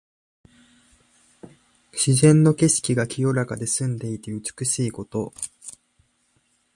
自然の景色が清らかで澄んでいて美しいこと。